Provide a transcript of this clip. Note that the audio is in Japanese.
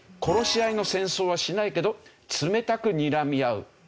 殺し合いの戦争はしないけど冷たくにらみ合う。